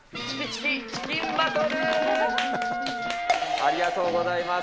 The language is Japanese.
ありがとうございます。